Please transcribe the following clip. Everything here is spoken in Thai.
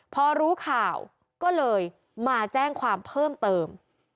พอรู้ข่าวก็เลยมาแจ้งความเพิ่มเติม